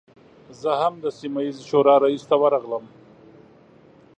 زه هم د سیمه ییزې شورا رئیس ته ورغلم.